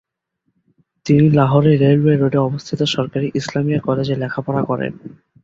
তিনি লাহোরের রেলওয়ে রোডে অবস্থিত, সরকারী ইসলামিয়া কলেজে লেখাপড়া করেন।